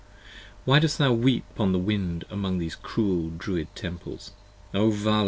Why dost thou weep upon the wind among These cruel Druid Temples? O Vala!